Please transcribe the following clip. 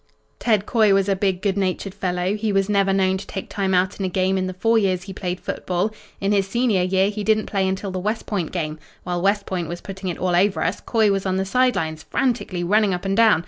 "Ted Coy was a big, good natured fellow. He was never known to take time out in a game in the four years he played football. In his senior year he didn't play until the West Point game. While West Point was putting it all over us, Coy was on the side lines, frantically running up and down.